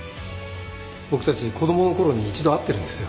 僕たち子供の頃に一度会ってるんですよ。